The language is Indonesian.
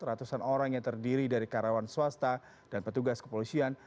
ratusan orang yang terdiri dari karyawan swasta dan petugas kepolisian